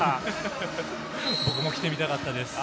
僕も着てみたかったです。